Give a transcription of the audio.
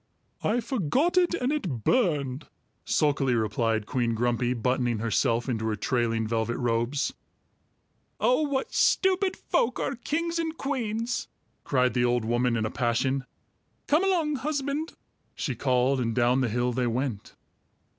"I forgot it, and it burned," sulkily replied Queen Grumpy, buttoning herself into her trailing velvet robes. "Oh, what stupid folk are kings and queens!" cried the old woman in a passion. "Come along, husband," she called, and down the hill they went.